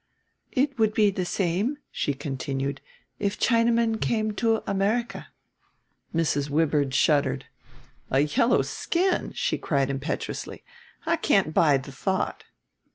"It would be the same," she continued, "if Chinamen came to America." Mrs. Wibird shuddered. "A yellow skin," she cried impetuously; "I can't bide the thought."